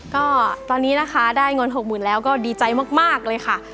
ก็ตอนนี้นะคะได้เงิน๖๐๐๐แล้วก็ดีใจมากเลยค่ะ